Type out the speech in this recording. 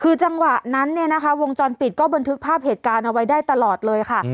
คือจังหวะนั้นเนี่ยนะคะวงจรปิดก็บันทึกภาพเหตุการณ์เอาไว้ได้ตลอดเลยค่ะ